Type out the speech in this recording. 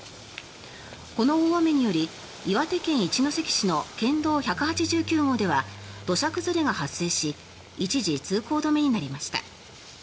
この大雨により岩手県一関市の県道１８９号では土砂崩れが発生し一時、通行止めになりました。